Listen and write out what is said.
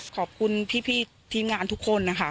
ขอบคุณพี่ทีมงานทุกคนนะคะ